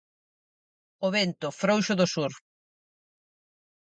O vento, frouxo do sur.